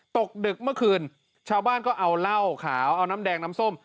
ตกดึกเมื่อคืนชาวบ้านก็เอาเหล้าขาวเอาน้ำแดงน้ำส้ม